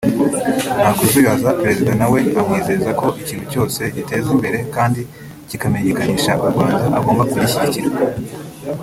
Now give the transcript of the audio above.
nta kuzuyaza Perezida nawe amwizeza ko ikintu cyose giteza imbere kandi kikamenyekanisha u Rwanda agomba kugishyigikira